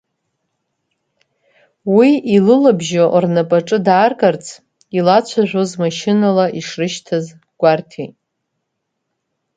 Уи илылабжьо рнапаҿы дааргарц илацәажәоз машьынала ишрышьҭаз гәарҭеит.